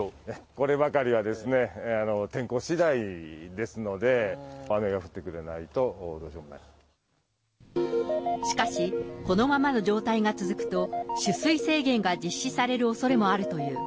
こればかりは天候しだいですので、雨が降ってくれないと、しかし、このままの状態が続くと、取水制限が実施されるおそれもあるという。